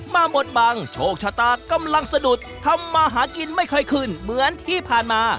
บทบังโชคชะตากำลังสะดุดทำมาหากินไม่ค่อยขึ้นเหมือนที่ผ่านมา